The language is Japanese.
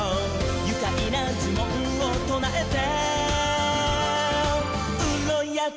「ゆかいなじゅもんをとなえてウロヤタマ！